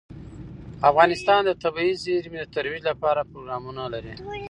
افغانستان د طبیعي زیرمې د ترویج لپاره پروګرامونه لري.